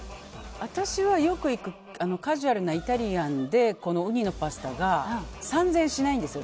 私はよく行くカジュアルなイタリアンでこのウニのパスタが３０００円しないんですよ。